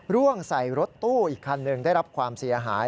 ร่วงใส่รถตู้อีกคันหนึ่งได้รับความเสียหาย